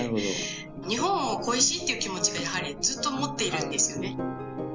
日本を恋しいっていう気持ちが、やはりずっと持っているんですよ